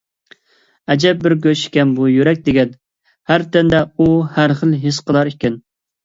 ئەجەب بىر گۆش ئىكەن بۇ يۈرەك دېگەن، ھەر تەندە ئۇ ھەرخىل ھېس قىلار ئىكەن.